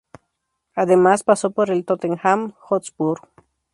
Además, pasó por el Tottenham Hotspur.